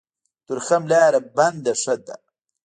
د تورخم لاره بنده ښه ده.